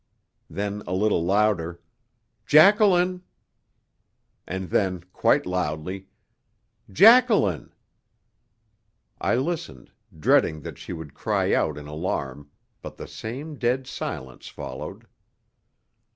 Then a little louder: "Jacqueline!" And then quite loudly: "Jacqueline!" I listened, dreading that she would cry out in alarm, but the same dead silence followed.